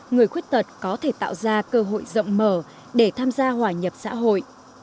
người khuyết tật có thể tạo ra cơ hội rộng mở để tham gia hòa nhập xã hội